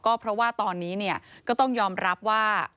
ก็เพราะว่าตอนนี้ก็ต้องยอมรับว่า